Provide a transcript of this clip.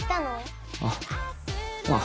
あっまあ。